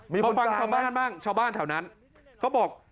มีคนฟังไหมชาวบ้านแถวนั้นเขาบอก